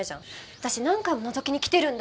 私何回ものぞきに来てるんだよ？